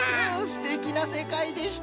すてきなせかいでした。